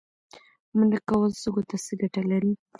منډه کول سږو ته څه ګټه لري؟